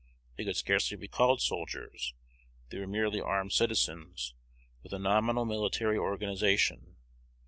They could scarcely be called soldiers: they were merely armed citizens, with a nominal military organization.